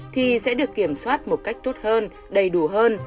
thì sẽ được kiểm soát một cách tốt hơn đầy đủ hơn